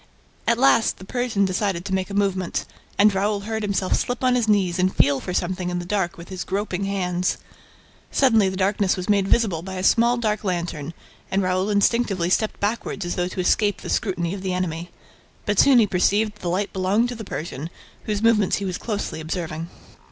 At last, the Persian decided to make a movement; and Raoul heard him slip on his knees and feel for something in the dark with his groping hands. Suddenly, the darkness was made visible by a small dark lantern and Raoul instinctively stepped backward as though to escape the scrutiny of a secret enemy. But he soon perceived that the light belonged to the Persian, whose movements he was closely observing.